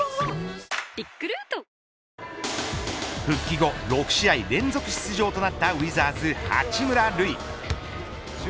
復帰後６試合連続出場となったウィザーズ、八村塁。